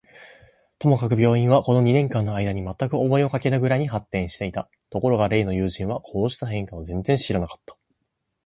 ともかく商売は、この二年間のあいだに、まったく思いもかけぬくらいに発展していた。ところが例の友人は、こうした変化を全然知らなかった。